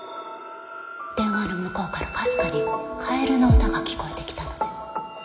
電話の向こうからかすかに「かえるのうた」が聞こえてきたので。